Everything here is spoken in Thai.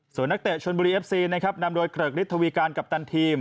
ส่วนนักเตะชนบุรีเอฟซีนะครับนำโดยเกริกฤทธวีการกัปตันทีม